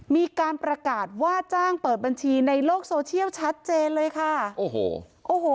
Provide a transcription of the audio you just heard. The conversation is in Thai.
มีการประกาศว่าจ้างเปิดบัญชีในโลกโซเชียลชัดเจนเลยค่ะโอ้โหโอ้โห